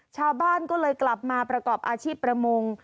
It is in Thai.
ชาวบ้านก็เลยกลับมาประกอบอาชีพประมง